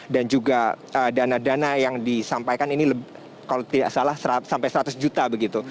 dan juga dana dana yang disampaikan ini kalau tidak salah sampai seratus juta begitu